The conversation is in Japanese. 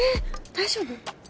大丈夫？